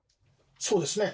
そうですね。